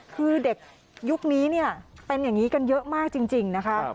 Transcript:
คือเด็กยุคนี้เนี่ยเป็นอย่างนี้กันเยอะมากจริงนะคะ